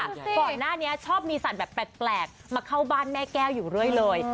ก่อนหน้านี้ชอบมีสัตว์แบบแปลกมาเข้าบ้านแม่แก้วอยู่เรื่อยเลย